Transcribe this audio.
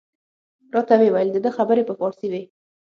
راته ویې ویل د ده خبرې په فارسي وې.